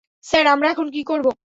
Sir, আমরা এখন কী করব?